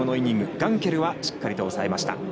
ガンケルはしっかりと抑えました。